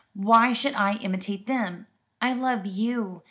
Why should I imitate them? I love you.